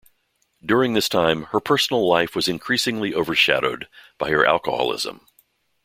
During this time, her personal life was increasingly overshadowed by her alcoholism.